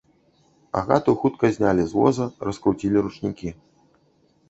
Агату хутка знялі з воза, раскруцілі ручнікі.